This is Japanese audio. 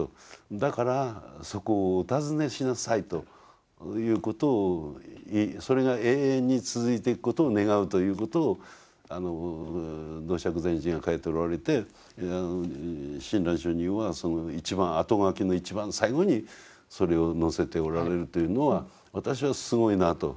だからそこをお訪ねしなさいということをそれが永遠に続いていくことを願うということを道綽禅師が書いておられて親鸞聖人はその一番あとがきの一番最後にそれを載せておられるというのは私はすごいなと。